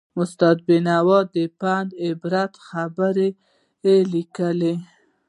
استاد بینوا د پند او عبرت خبرې لیکلې.